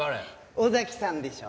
尾崎さんでしょ？